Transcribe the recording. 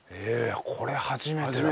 これ初めてだな。